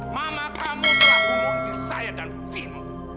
mama kamu berlaku morsi saya dan vino